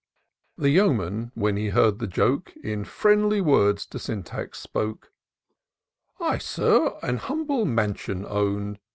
The Yeoman, when he heard the joke, In friendly words to Sjoitax spoke, " I, Sir, an humble mansion own.